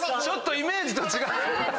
イメージと違う。